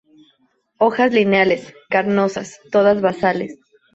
Hojas lineales, carnosas, todas basales.